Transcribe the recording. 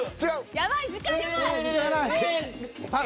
やばい時間やばい。